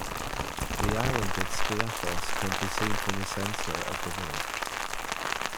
The island of Skiathos can be seen from the centre of the village.